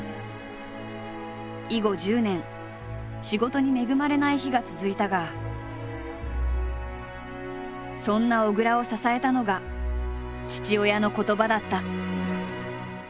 以後１０年仕事に恵まれない日が続いたがそんな小倉を支えたのが父親の言葉だった。